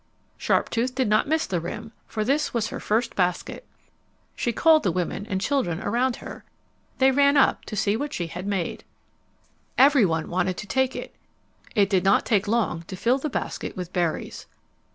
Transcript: Sharptooth did not miss the rim, for this was her first basket. She called the women and children around her. They ran up to see what she had made. [Illustration: "She wove round and round"] Every one wanted to take it. It did not take long to fill the basket with berries.